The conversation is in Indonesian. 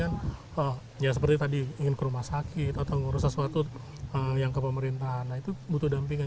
kan ya seperti tadi ingin ke rumah sakit atau ngurus sesuatu yang ke pemerintahan nah itu butuh dampingan